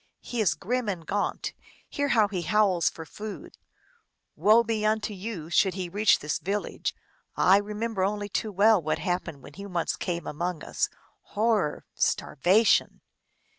He is grim and gaunt ; hear how he howls for food ! Woe be unto you, should he reach this village ! Ah, I remember only too well what happened when he once came among us. Horror ! starvation